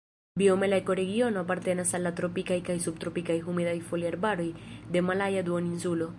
Biome la ekoregiono apartenas al la tropikaj kaj subtropikaj humidaj foliarbaroj de Malaja Duoninsulo.